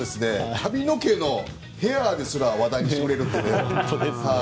髪の毛のヘアですら話題にしてくれるという。